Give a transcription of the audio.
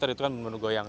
itu kan benar benar goyang